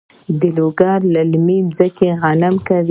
د لوګر للمي ځمکې غنم کوي؟